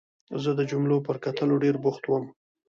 زه د جملو پر کټلو ډېر بوخت وم.